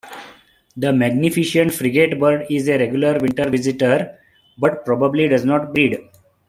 The magnificent frigatebird is a regular winter visitor but probably does not breed.